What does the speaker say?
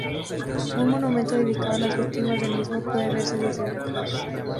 Un monumento dedicado a las víctimas del mismo puede verse desde la cruz.